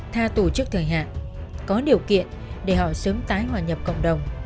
tha tù trước thời hạn có điều kiện để họ sớm tái hòa nhập cộng đồng